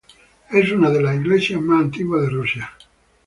Es una de las iglesias más antiguas de Rusia.